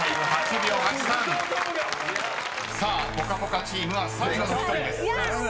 ［さあぽかぽかチームは最後の１人です］